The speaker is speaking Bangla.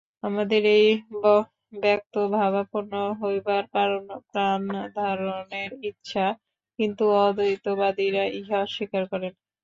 আমাদের এই ব্যক্তভাবাপন্ন হইবার কারণ প্রাণধারণের ইচ্ছা, কিন্তু অদ্বৈতবাদীরা ইহা অস্বীকার করেন।